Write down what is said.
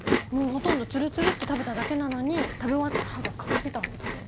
ほとんどツルツルって食べただけなのに食べ終わったら歯が欠けてたんですよ。